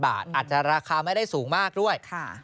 บาทอาจจะราคาไม่ได้สูงมากด้วย